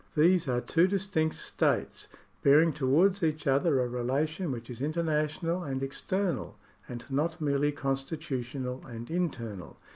These arc two distinct states, bearing towards each other a relation which is international and external, and not merely constitutional and internal.